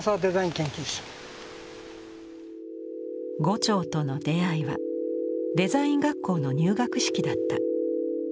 牛腸との出会いはデザイン学校の入学式だった。